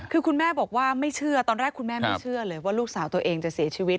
คือคุณแม่บอกว่าไม่เชื่อตอนแรกคุณแม่ไม่เชื่อเลยว่าลูกสาวตัวเองจะเสียชีวิต